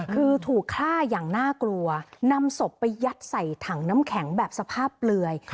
คือถูกฆ่าอย่างน่ากลัวนำศพไปยัดใส่ถังน้ำแข็งแบบสภาพเปลือย